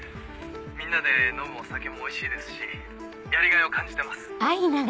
みんなで飲むお酒もおいしいですしやりがいを感じてます。